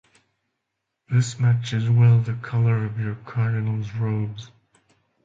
This matches well the color of your cardinal's robes.